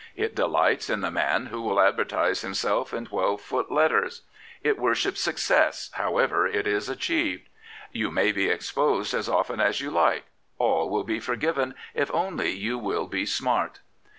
It delights in the man who will advertise himself in twelve foot letters. It worships success, however it is achieved. You may be ex posed as often as you like: all will be forgiven if only you will be smart.